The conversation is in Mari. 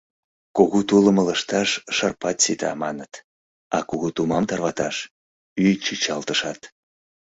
Кугу тулым ылыжташ шырпат сита, маныт, а кугу тумам тарваташ — ӱй чӱчалтышат.